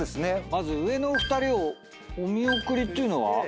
まず上の２人をお見送りっていうのは？